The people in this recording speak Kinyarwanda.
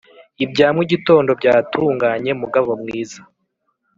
ibya mugitondo byatunganye mugabo mwiza”